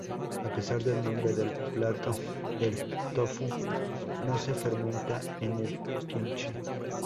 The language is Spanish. A pesar del nombre del plato, el tofu no se fermenta en el "kimchi".